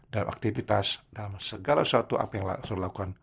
dalam aktivitas dalam segala sesuatu apa yang langsung dilakukan